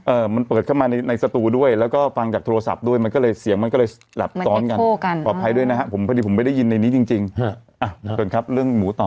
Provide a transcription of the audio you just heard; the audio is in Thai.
มันเปิดเข้ามาในในสตูด้วยแล้วก็ฟังจากโทรศัพท์ด้วยมันก็เลยเสียงมันก็เลยหลับซ้อนกันปลอดภัยด้วยนะฮะผมพอดีผมไม่ได้ยินในนี้จริงจริงฮะอ่ะเชิญครับเรื่องหมูต่อ